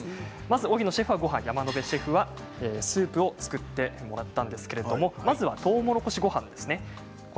荻野シェフはごはん山野辺シェフはスープを作ってもらったんですがまずは、とうもろこしごはんです。